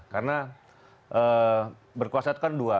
karena berkuasa itu kan dua